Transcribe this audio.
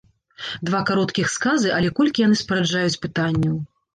Два кароткіх сказы, але колькі яны спараджаюць пытанняў!